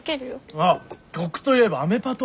あっ曲と言えば「アメパト」！